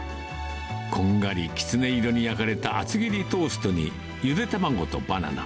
こんがりきつね色に焼かれた厚切りトーストに、ゆで卵とバナナ。